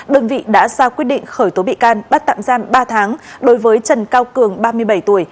đơn vị đã ra quyết định khởi tố bị can bắt tạm giam ba tháng đối với trần cao cường ba mươi bảy tuổi